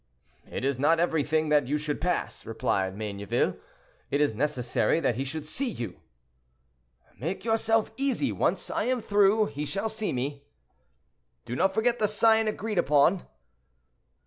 "It is not everything that you should pass," replied Mayneville; "it is necessary that he should see you." "Make yourself easy; once I am through, he shall see me." "Do not forget the sign agreed upon."